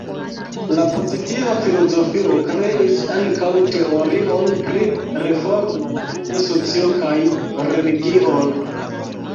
La pozitiva filozofio kreis ankaŭ teorion pri reformo de socio kaj religion.